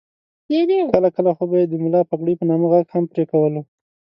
کله کله خو به یې د ملا پګړۍ په نامه غږ هم پرې کولو.